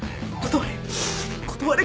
断れ。